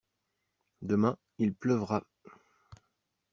Demain il pleuvra.